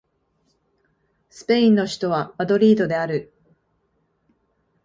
スペインの首都はマドリードである